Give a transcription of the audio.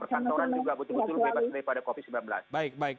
perkantoran juga betul betul bebas daripada covid sembilan belas